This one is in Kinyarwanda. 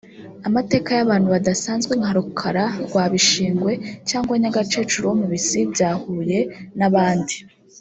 amateka y’abantu badasanzwe nka Rukara rwa Bishingwe cyangwa Nyagakecuru wo mu Bisi bya Huye n’abandi